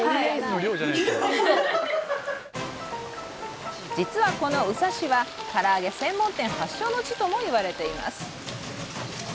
はい実はこの宇佐市はからあげ専門店発祥の地ともいわれています